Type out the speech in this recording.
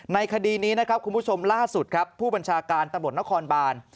คดีนี้นะครับคุณผู้ชมล่าสุดครับผู้บัญชาการตำรวจนครบาน